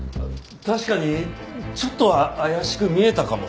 確かにちょっとは怪しく見えたかもしれない。